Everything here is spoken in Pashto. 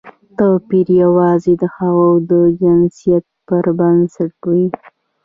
توپیر یوازې د هغوی د جنسیت پر بنسټ وي.